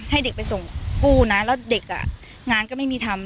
ให้เด็กไปส่งกู้นะแล้วเด็กอ่ะงานก็ไม่มีทำ